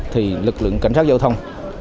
thì lực lượng cảnh sát giao thông